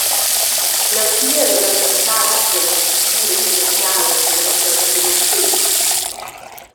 Leutier eis el pertscharts dallas pitgiras finanzialas dalla vischnaunca da Mustér.